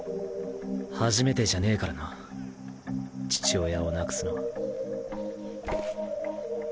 初めてじゃねぇからな父親を亡くすのは。